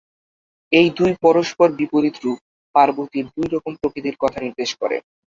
এই দুই পরস্পর বিপরীত রূপ পার্বতীর দুই রকম প্রকৃতির কথা নির্দেশ করে।